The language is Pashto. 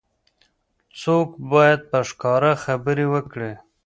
څوګ باید په ښکاره خبرې وکړي.